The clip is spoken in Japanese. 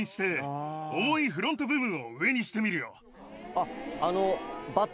あっあの。